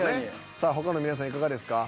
さあ他の皆さんいかがですか？